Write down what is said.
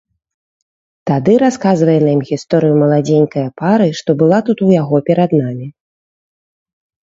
Тады расказвае нам гісторыю маладзенькае пары, што была тут у яго перад намі.